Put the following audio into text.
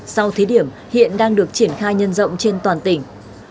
sau thí điểm hiện đang được triển khai nhân rộng trên toàn tỉnh